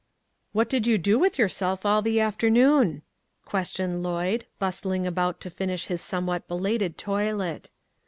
" What did you do with yourself all the afternoon ?" questioned Lloyd, bustling about to finish his somewhat belated toilet.